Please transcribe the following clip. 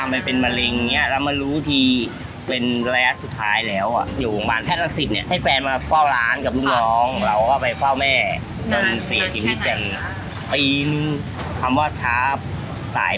แม่เข้ามาสี่หาย